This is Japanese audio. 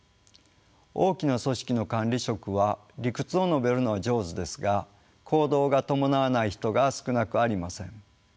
大きな組織の管理職は理屈を述べるのは上手ですが行動が伴わない人が少なくありません。